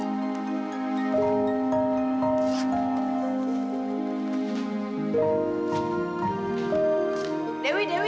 aku juga bisa berhubung dengan kamu